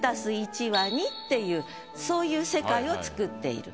１＋１＝２っていうそういう世界をつくっている。